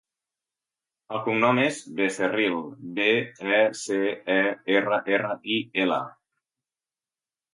El cognom és Becerril: be, e, ce, e, erra, erra, i, ela.